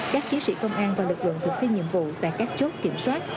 các chí sĩ công an và lực lượng thực hiện nhiệm vụ tại các chốt kiểm soát